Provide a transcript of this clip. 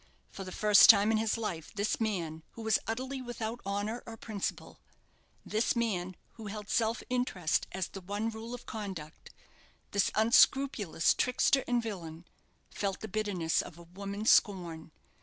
For the first time in his life this man, who was utterly without honour or principle this man, who held self interest as the one rule of conduct this unscrupulous trickster and villain, felt the bitterness of a woman's scorn.